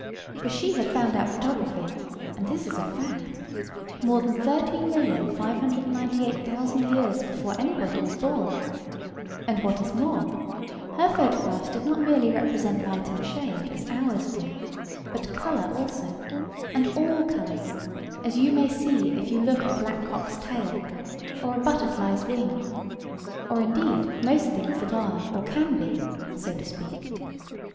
For she had found out photography (and this is a fact) more than 13,598,000 years before anybody was born; and, what is more, her photographs did not merely represent light and shade, as ours do, but colour also, and all colours, as you may see if you look at a black cock's tail, or a butterfly's wing, or indeed most things that are or can be, so to speak.